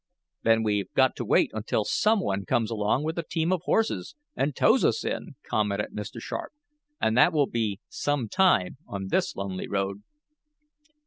"Then we've got to wait until some one comes along with a team of horses, and tows us in," commented Mr. Sharp. "And that will be some time, on this lonely road."